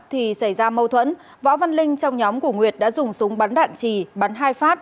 thì xảy ra mâu thuẫn võ văn linh trong nhóm của nguyệt đã dùng súng bắn đạn trì bắn hai phát